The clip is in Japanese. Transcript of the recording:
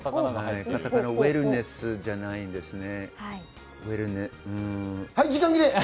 ウェルネスじゃないですね。